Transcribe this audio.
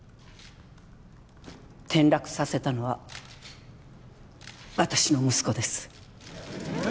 転落させたのは私の息子です。